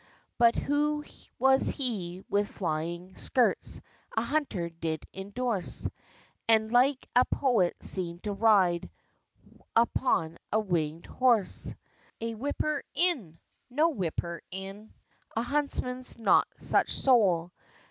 But who was he with flying skirts, A hunter did endorse, And like a poet seemed to ride Upon a wingèd horse, A whipper in? no whipper in: A huntsman? no such soul.